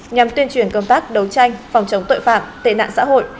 nhằm tuyên truyền công tác đấu tranh phòng chống tội phạm tệ nạn xã hội